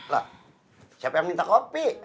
lah siapa yang minta kopi